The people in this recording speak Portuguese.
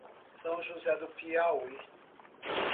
São José do Piauí